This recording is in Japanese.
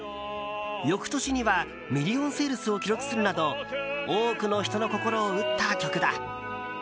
翌年にはミリオンセールスを記録するなど多くの人の心を打った曲だ。